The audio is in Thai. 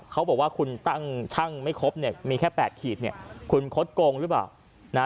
เขาบอกว่าคุณตั้งช่างไม่ครบมีแค่๘ขีดคุณคดโกงหรือเปล่า